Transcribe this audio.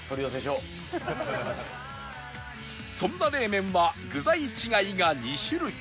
そんな冷麺は具材違いが２種類